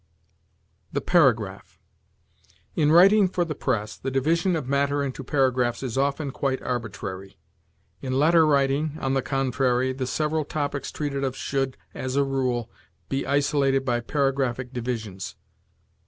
THE PARAGRAPH. In writing for the press, the division of matter into paragraphs is often quite arbitrary; in letter writing, on the contrary, the several topics treated of should, as a rule, be isolated by paragraphic divisions.